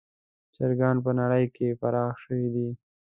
چرګان په نړۍ کې پراخ شوي دي.